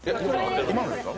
今のですか？